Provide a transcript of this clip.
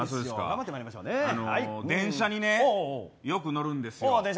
電車にね、よく乗るんですよ。